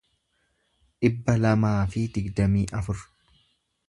dhibba lamaa fi digdamii afur